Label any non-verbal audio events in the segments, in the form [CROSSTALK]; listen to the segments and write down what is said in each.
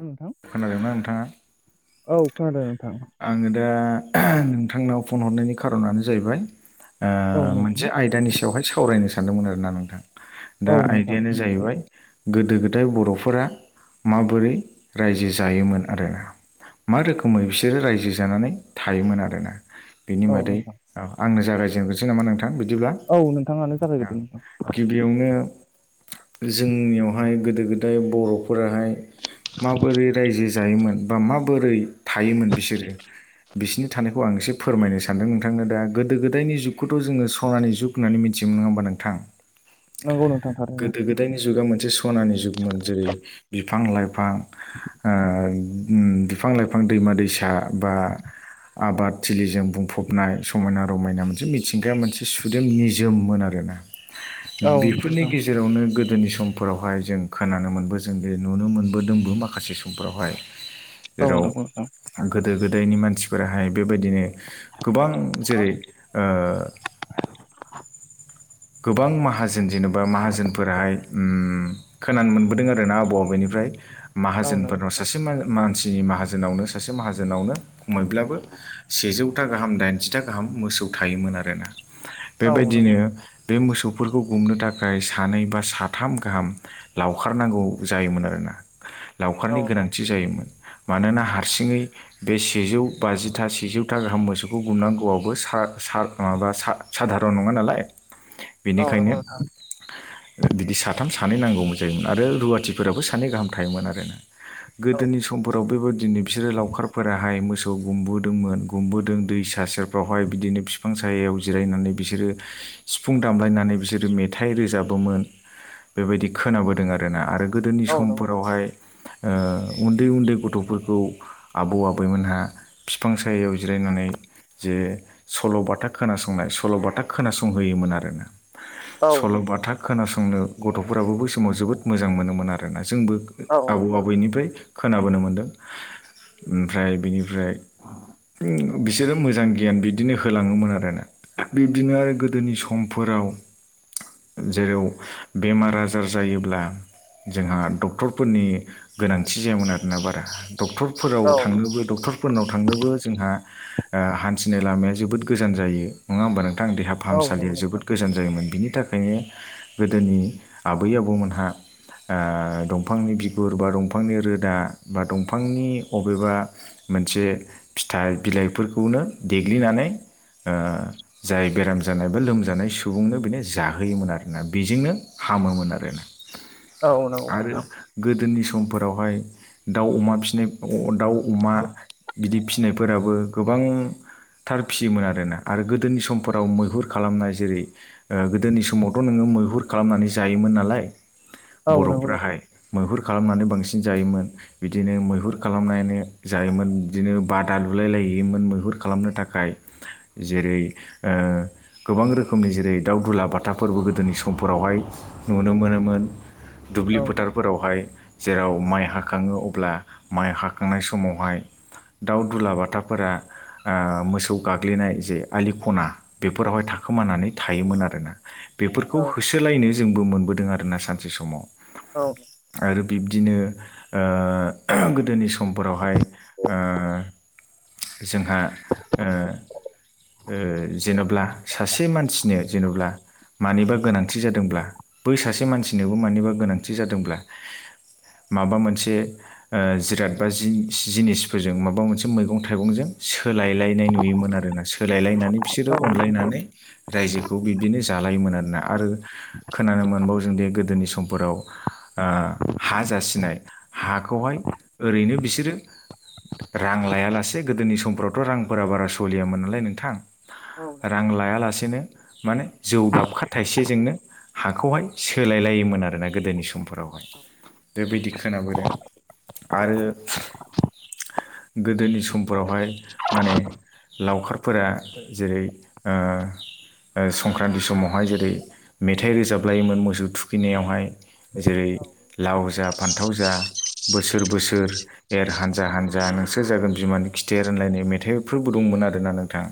नोंथां खोनादोंना नोंथाङा औ खोनादों नोंथां आङो दा औ नोंथांनाव फन हरनायनि खारनानो जाहैबाय ओ नोंथां मोनसे आयदानि सायावहाय सावरायनो सानदोंमोन आरो ना नोंथां दा औ नोंथां आयदिायानो जाहैबाय गोदो गोदाय बर'फोरा माबोरै रायजो जायोमोन आरो। मा रोखोमै बिसोरो रायजो जानानै थायोमोन आरोना बेनि औ बादै नोंथां आंनो जा जागायजेनसै नामा नोंथां। बिदिब्ला औ नोंथाङानो जागायग्रोदो नोंथां गिबियावनो। जोंनियावहाय गोदो गोदाय बर'फोराहाय। माबोरै रायजो जायोमोन बा माबोरै थायोमोन। बिसोरो बिसनि थानायखौ आं एसे फोरमायनो सानदों नोंथांनो दा गोदो गोदायनि जुगखौथ' जोङो सनानि। जुग होननानै मिथियोन नङा होमबा नोंथां नंगौ नोंथां थारैनो गोदो गोदायनि जुगा। मोनसे सनानि जुगमोन जेरै बिफां लाइफां ओ। बिफां लाइफां दैमा दैसा बा। आबाद थिलिजों बुंफबनाय समायना रमायना मोनसे मिथिंगाया मोनसे सुदोम निजोममोन आरोना औ बेफोरनि नोंथां गेजेरावनो गोदो गोदोनि समफोरावहाय जों खोनानो मोनबो जों जे नुनो मोनबोदोंबो माखासे समफोरावहाय औ जेराव नंगौ नोंथां गोदो गोदायनि मानसिफोराहाय बेबायदिनो गोबां जेरै ओ। गोबां माहाजोन जेनेबा माहाजोनफोराहाय उम खोनानो मोनबोदों आर ना आबौ आबौनिफ्राय औ नंगौ माहाजोनफोरनाव सासे मानसिनि माहोनावनो सासे माहाजोनावनो खमैब्लाबो सेजौथा गाम दाइनिथा गाहाम मोसौ थायोमोन आरोना औ नंगौ बेबायदिनो बे मोसौफोरखौ गुमनो थाखाय सानै बा साथाम गाहाम लावखारनांगौ जायोमोन आरोना औ लावखारनि गोनांथि जायोमोन मानोना हारसिङै बे सेजौ बाजिथा सेजौथा गाहाम मोसौखौ गुमनांगौआवबो सा सार माबा साधारन नङा नालाय औ नगौ बेनिखायनो नोंथां ‌। बिदि साथाम सानै नांगौमोन जायोमोन आरो रुवाथिफोराबो सानै गाहाम थायोमोन आरोना औ गोदोनि समफोराव बेबायदिनो बिसोरो लावखारफोराहाय मोसौ मोसौआव गुमबोदोंमोन गुमबोदों दै स सेरफ्रावहाय बिदिनो बिफां सायाव जिरायनानै बिसोरो सिफुं दामलायनानै बिसोरो मेथाइ रोजाबोमोन बेबायदि खोनाबोदों आर ना आरो गोदोनि औ नंगौ समफोरावहाय उन्दै उन्दै गथ'फोरखौ आबौ आबैमोनहा बिफां सायायाव जिरायनानै जे सल'बाथा खोनासंनाय सल'बाथा खोनासंनाय संहोयोमोन आरोोना औ नंगौ सल' बाथा खोनासंनो गथ'फोराबो बै समाव जोबोद मोजां मोनोमोन आरोना जोंबो औ आबौ आबैनिफ्राय खोनाबोनो मोनदों। ओमफ्राय बिनिफ्राय बिसोरो मोजां गियान बिदिनो होलाङोमोन आरोना। बिब्दिनो आरो गोदोनि समफोराव जेराव बेमार आजार जायोब्ला जोंहा डक्टरफोरनि गोनांथि जायामोन आरोना बारा डक्टरफोराव थांनोबो डक्टरफोरनाव थांनोबो जोंहा हान्थिनाय लामाया जोबोद गोजान जायो नङा होमबा नोंथां? देहा औ फाहामसालिया नंगौ नोंथां जोबोद गोजान जायोमोन बिनि थाखायनो गोदोनि आबै आबौमोनहा दंफांनि बिगुर बा दंफांनि रोदा बा दंफांनि अबेबा मोनसे फिथाइ बिलाइफोरखौनो देग्लिनानै जाय बेराम जानाय बा लोमजानाय सुबुंनो बेनो जाहोयोमोन आरोना बेजोंनो हामोमोन आरोना औ नंगौ आरो नोंथां गोदोनि समफोरावहाय दाउ अमा फिसिनाय दाउ अमा गिदिर फिसिनायफोराबो गोबांथार फिसियोमोन आरोना आरो गोदोनि समफोराव मैहुर खालामनाय जेरै गोदोनि समावथ' नोङो मैहुर खालामनानै जायोमोन नालाय औ नंगौ नोंथां बर'फ्राहाय मैहुर खालामनानै बांसिन जायोमोन बिदिनो मैहुर खालामनायानो जायोमोन बिदिनो बादा लु लुलायलायहैयोमोन मैहुर खालामनो थाखाय, जेरै ओ गोबां रोखोमनि जेरै दाउ दुलाबाथाफोरबो गोदोनि समफोरावहाय नुनो मोनोमोन दुब्लि औ फोथारफोरावहाय जेराव माइ हाखाङो अब्ला माइ हाखांनाय समावहाय दाउ दुलाबाथाफोरा ओ मोसौ गाग्लिनाय जे आलि खना बेफोर फोरावहाय थाखोमानानै थायोमोन आरोना। बेफोरखौ औ होसोलायनो जोंबो मोनबोदों आरो औ। आरो बिब्दिनो ओ गोदोनि समफोरावहाय ओ जोंहा ओ ओ जेन'ब्ला सासे मानसिनो जेन'ब्ला मानिबा गोनांथि जादोंब्ला बै सासे मानसिनोबो मानिबा गोनांथि जादोंब्ला माबा मोनसे ओ जिराद बा जि-जिनिसफोरजों माबा मोनसे मैगं थाइगंजों सोलायलायनाय नुयोमोन आरोना। सोलायलायनानै बिसोरो नंगौ अनलायनानै रायजोखौ बिब्दिनो जालायोमोन आरोना आरो खोनानो मोनबाव जों दि गोदोनि समफोराव ओ हा जासिनाय हाखौहाय ओरैनो बिसोरो रां लायालासे गोदोनि समफोरावथ' रांफोरा बारा सोलियामोन नालाय नोंथां औ। रां लायालासेनो माने जौ दाबखा थाइसेजोंनो हाखौहाय सोलाय लायोमोन आ आरोना गोदोनि समफोरावहाय बेबायदि खोनाबोदों। आरो गोदोनि समफोरावहाय माने लावखारफोरा जेरै ओ ओ संक्रान्ति समावहाय जेरै मेथाइ रोजाब लायोमोन मोसौ थुखैनायावहाय जेरै रै लाव जा फान्थाव जा बोसोर बोसोर एर हानजा हानजा नोंसोर जागोन बिमानि खिथेर होनलायनाय मेथाइफोरबो दं मोन आरोना नोंथां।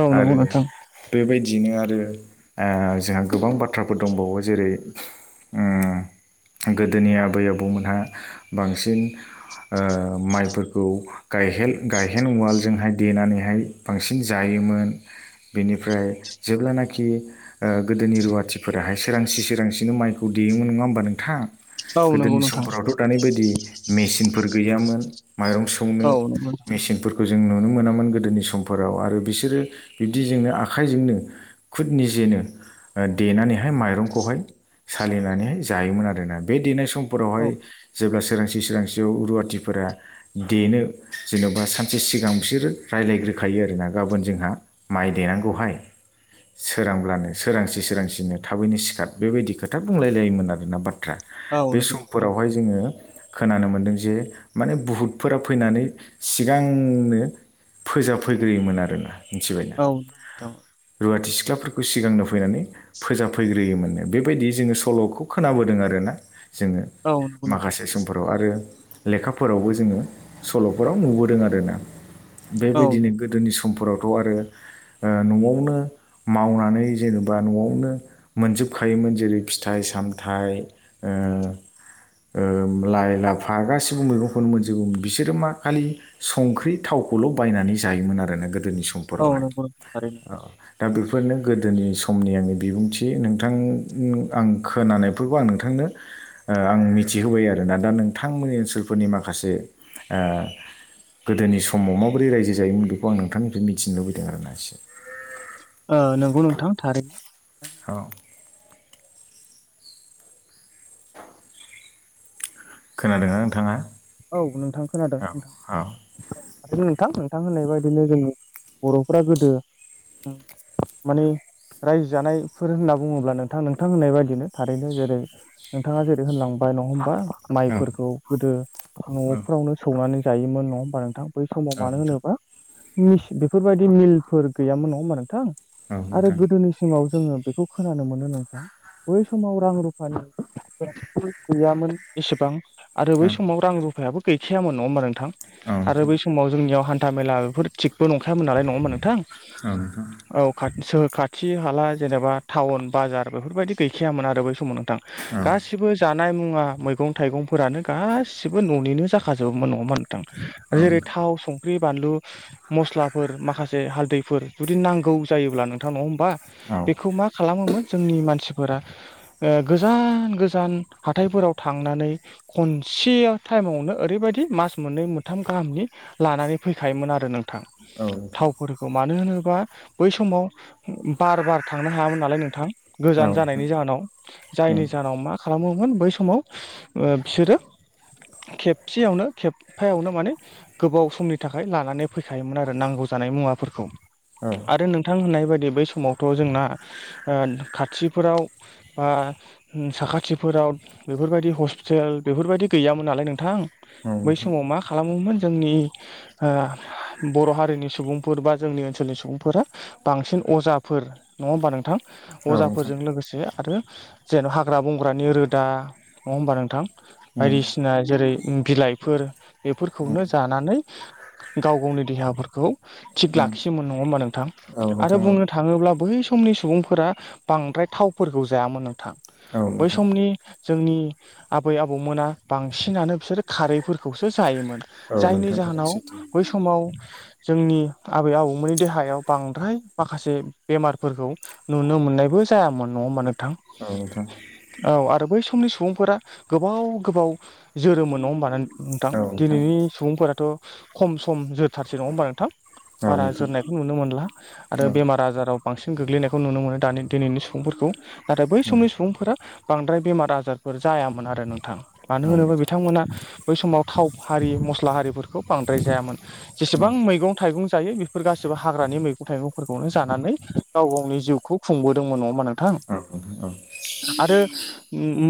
औ नंगौ नोंथां। बेबायदियैनो आरो आ जोंहा गोबां बाथ्राफोर दंबावो जेरै उम गोदोनि आबै आबौमोनहा बांसिन ओ माइफोरखौ गायहेन गायहेन उवालजोंहाय देनानैहाय बांसिन जायो योमोन। बेनिफ्राय जेब्लानाखि ओ गोदोनि रुवाथिफोराहाय सोरांसि सोरांसिनो माइखौ दि योमोन नङा होमबा नोंथां। औ नंगौ गोदोनि नोंथां समफोरावथ' दानि बायदि मेचिनफोर गैयामोन। माइरं सौनो औ नंगौ मेचिनफोरखौ जों नुनो मोनामोन गोदोनि समफोराव आरो बिसोरो बिब्दिजोंनो आखाइजोंनो खुद निजेनो ओ देनानैहाय माइरंखौहाय सालिनानैहाय जायोमोन आरोना बे देनाय समफोरावहाय नोंथां जेब्ला सोरांसि सोरांसियाव रुवाथिफोरा देनो जेन'बा सानसे सिगां बिसोरो रायज्लायग्रो खायो आरोना गाबोन जोंहा माइ देनांगौहाय सोरांब्लानो सोरांसि सोरांसिनो थाबैनो सिखार बेबायदि खोथा बुंलायलायोमोन आरोना बाथ औ [UNINTELLIGIBLE] बे नंगौ नोंथां समफोरावहाय जोङो खोनानो मोनदों जे माने बुहुतफोरा फैनानै सिगांनो फोजाफैग्रोयोमोन आरोना मिथिबायना औ [UNINTELLIGIBLE] रुवाथि सिख्लाफोरखौ सिगांनो फैनानै फोजाफैग्रोयोमोननो बेबायदि जोङो सल'खौ खोनाबोदों आरोना। जोङो औ नंगौ नोंथां माखासे समफोराव आरो लेखाफोरावबो जोङो सल'फोराव नुबोदों आरोना। औ बेबायदिनो गोदोनि समफोरावथ' आरो ओ न'आवनो मावनानै जेनेबा न'आवनो मोनजोबखायोमोन जेरै फिथाइ सामथाइ ओ ओ लाइ लाफा गासिबो मैगंखौनो मोनजोबो बिसोरो मा खालि संख्रि थाव गावखौल' बायनानै जायोमोन आरोना गोदोनि समफोरावहाय [UNINTELLIGIBLE] दा बेफोरनो गोदोनि समनि आंनि बिबुंथि नोंथां आं खोनानायफोरखौ आं नोंथां आं मिथिहोबाय आरोना दा नोंथांमोननि ओनसोलफोरनि माखासे ओ गोदोनि समाव माबोरै रायजो जायोमोन बेखौ आं नोंथांनिफ्राय मिथिनो लुबैदों? देरनायसै ओ नोंगौ नोंथां थारैनो औ [INAUDIBLE] खोनादोंना नोंथांङा? औ नोंथां खोनादों नोंथां। आरो नोंथां नोंथां होननाय बायदिनो जोंनि बर'फोरा गोदो माने - रायजो जानायफोर होनना बुङोब्ला नोंथां नोंथां होननाय बायदिनो थारैनो जेरै नोंथाङा जेरै होनलांबाय माइरं फोर औ माइफोरखौ गोदो न'फ्रावनो सौनानै जायोमोन नङा होमबा नोंथां? बै समाव औ मानो होनोबा बेफोरबायदि मिलफोर गैयामोन नङा होमबा नोंथां। औ आरो नोंथां गोदोनिसिमाव जोङो बेखौ खोनानो मोनो नोंथां बै समाव रां रुफानि गैयामोन एसेबां आरो बै औ नोंथां औ समाव रां रुफायाबो गैखायामोन नङा होमबा नोंथां नोंथां औ नोंथां औ आरो नोंथां बै समाव जोंनियावहाय हान्था मेला बेफोर थिगबो नंखायामोन नालाय नङा होमबा नोंथां। औ नोंथां औ नोंथां औ नोंथां खाथि हाला जेनेबा टाउन बाजार बेफोरबायदि गैखायामोन आरो बै समाव नोंथां औ गासिबो जा नाय मुआ मैगं थाइगं गासिबो न'निनो जाखाजोबोमोन नङा होमबाथ नोंथां जेरै थाव सं ख्रि बानलु मस्लाफोर माखासे हालदैफोर जुदि नांगौ जायोब्ला नोंथां नङा होमबा? बेखौ नोंथां मा खालामोमोन जोंनि मानसि गोजान गोजान हाथायफोराव थांनानै ख से टाइमावनो ओरैबायदि मास मोननै मोनथाम गाहामनि लानानै फैखायोमोन आरो नों थां थावफोरखौ मानो होनोबा बै समाव बार बार थांनो हायामोन नालाय नोंथां गोजान जानायनि जाहोनाव जायनि जाहोनाव मा खालामोमोन बै समाव ओ बिसोरो [UNINTELLIGIBLE] खेबसेयावनो खेबफायावनो माने गोबाव समनि थाखाय लानानै फैखायोमोन आरो नांगौ जानायमोन। मुवाफोरखौ आरो नोंथां बै समावथ' जोंना ओ खाथिफोराव बा साखाथिफोराव बेफोरबायदि हस्पिटेल बेफोरबायदि गैयामोन नालाय नोंथां बै समाव मा खालामोमोन। जोंनि ओ बर' हारिनि सुबुंफोर बा जोंनि ओनसोलनि सुबुंफोरा बांसिन अजाफोर नङा होमबा नोंथां अजाफोरजों लोगोसे आरो जेन' हाग्रा बंग्रानि रोदा नङा होमबा नोंथां - उम बायदिसिना जेरै बिलाइफोर उम बेफोरखौनो जानानै गाव गावनि देहाफोर खौ थिग उम लाखियोमोन नङा हा नोंथां औ आरो नोंथां बुंनो थाङोब्ला बै सम समनि सुबुंफोरा बांद्राय थावफोरखौ जायामोन नोंथां औ बै नोंथां समनि जोंनि आबै आबौमोना बांसिनानो बिसोरो खारैफोरखौसो जायोमोन औ जायनि नोंथां गोरान जाहोनाव सैथो बै समाव जोंनि आबै आबौमोननि देहायाव बांद्राय माखासे बेमारफोरखौ नुनो मोन नायबो जायामोन नङा होनबा नोंथां औ नोंथां औ आरो बै समनि सुबुंफोरा गोबाव गोबाव जोरोम मोन नङा होमबा नोंथां औ नोंथां दिनैनि सुबुंफोराथ' खम सम जो थारसै नङा होमबा नोंथां औ बारा नोंथां जोरनायखौ नुनो मोनला औ आरो बेमार आजाराव बांसिन गोग्लैनायखौ नुनो मोनो दानि दिनैनि सुबुंफोरखौ नाथाय बै नोंथां औ समनि सुबुंफोरा बांद्राय बेमार आजारफोर जायामोन आरो नोंथां मानो औ होनोबा नोंथां बिथांमोना बै समाव थाव हारि मसला हारिफोरखौ बांद्राय जायामोन औ जिसिबां मैगं जायो बेफोर गासिबो हाग्रानि मैगं थाइगंफोरखौनो जानानै गाव गावनि जिउखौ खुंबोदोंमोन नङा होनबा नोंथां औ औ नोंथां आरो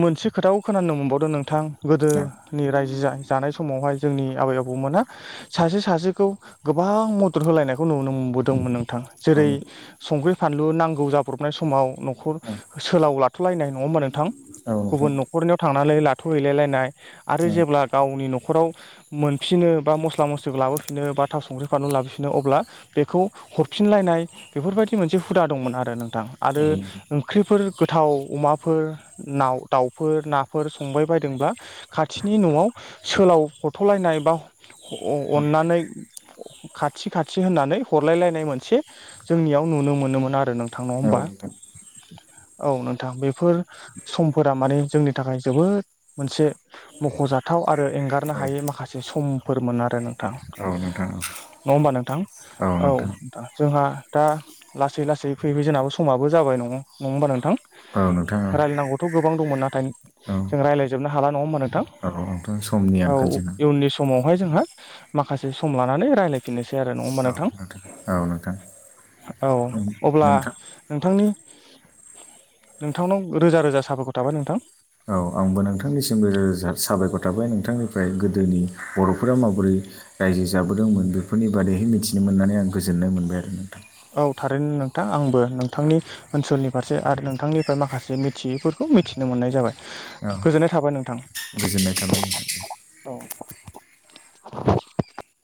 मोनसे खोथाव खोनानो मोनबावदों नोंथां गोदोनि रायजो जाय जानाय समावहाय जोंनि आबै आबौमोना सासे सासेखौ गोबां मदद होलायनायखौ नुनो मोनो नुनो दोंमोन नोंथां जेरै संख्रि फानलु नांगौ जाब्रबनाय समाव नखर सोलाव लाथ'लायनाय नङ होमबा नोंथां नोंथां गुबुन औ नोंथां न'खरनियाव थांनानै लाथ'हैलायलायनाय आरो औ जेब्ला गावनि न' न'खराव मोनफिनो बा मस्ला मस्लि लाबोफिनो बा थाव संख्रि फानलु लाबोफिनो अब्ला बेखौ हरफिनलायनाय बेफोरबायदि मोनसे हुदा दंमोन आरो नोंथां आरो ओंख्रिफोर गोथाव अमाफोर नाव दावफोर नाफोर स संबाय बायदोंब्ला खाथिनि न'आव सोलाव हरथ'लायनाय बा अ अननानै खाथि खाथि होननानै हरलायलायनाय मोनसे जोंनियाव नुनो मोनोमोन आरो नोंथां नङा औ होमबा नोंथां औ नोंथां बेफोर समफोरा माने जोंनि थाखाय जोबोद मोनसे मख'जाथाव आरो एंगारनो हायै माखासे समफोर मोन आरो नोंथां। औ नोंथां औ नङा होमबा नोंथां औ नोंथां जोंहा दा लासै लासै फैबाय जोंनाबो समाबो जाबाय नङ नङा होमबा नोंथां औ नोंथां औ रायलायनांगौथ' गोबां दंमोन नाथाय जों रायलायजोबनो हाला नङा होमबा नोंथां नोंथां समनि आंखाल औ जोंहा इयुननि समाव बेवहाय जोंहा माखासे सम लानानै रायलायफिननोसै आरो नङा होमबा औ नोंथां औ नोंथां औ अब्ला नोंथां नोंथांनि नोंथांनाव रोजा रोजा साबायखर थाबाय नोंथां। औ आंबो नोंथांनिसिमबो जा साबायखर थाबाय नोंथांनिफ्राय गोदोनि बर'फोरा माबोरै रायजो जाबोदोंमोन बेफोरनि बारै मिथिनो मोननानै आं गोजोननाय मोनबाय आरो नोंथां औ थारैनो नोंथां आंबो नोंथांनि ओनसोलनि फारसे आरो नोंथांनिफ्राय माखासे मिथियैफोरखौ मिथिनो मोननाय औ जाबाय गोजोननाय थाबाय नोंथां। गोजोननाय थाबाय नोंथां। [INAUDIBLE]